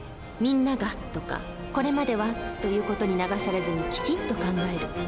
「みんなが」とか「これまでは」という事に流されずにきちんと考える。